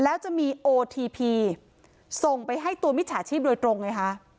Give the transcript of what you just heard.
แล้วจะมีโอทีพีส่งไปให้ตัวมิจฉาชีพโดยตรงไงคะ